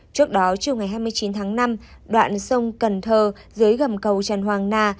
trước đó chiều ngày hai mươi chín tháng năm đoạn sông cần thơ dưới gầm cầu tràn hoàng na